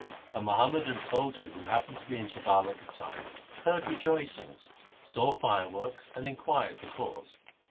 A Muhammadan soldier who happened to be in Jhabal at the time heard rejoicings, saw fireworks, and inquired the cause.